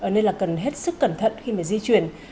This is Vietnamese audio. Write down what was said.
nên là cần hết sức cẩn thận khi mà di chuyển